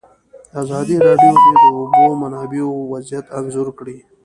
ازادي راډیو د د اوبو منابع وضعیت انځور کړی.